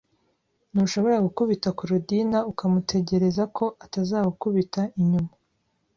Ntushobora gukubita Korodina ukamutegereza ko atazagukubita inyuma.